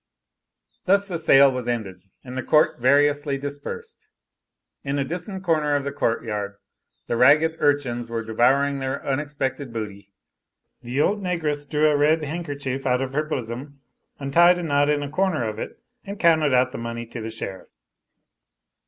Thus the sale was ended, and the crowd variously dispersed. In a distant corner of the courtyard the ragged urchins were devouring their unexpected booty. The old negress drew a red handkerchief out of her bosom, untied a knot in a corner of it, and counted out the money to the sheriff.